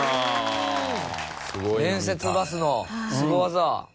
連節バスのスゴ技。